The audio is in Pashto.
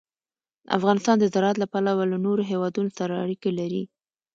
افغانستان د زراعت له پلوه له نورو هېوادونو سره اړیکې لري.